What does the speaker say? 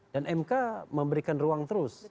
dan mk memberikan ruang terus